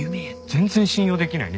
全然信用できないね。